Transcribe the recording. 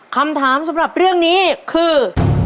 คำถามสำหรับเรื่องนี้คือ